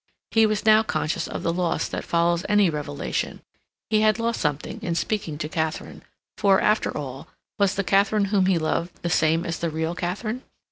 He was now conscious of the loss that follows any revelation; he had lost something in speaking to Katharine, for, after all, was the Katharine whom he loved the same as the real Katharine?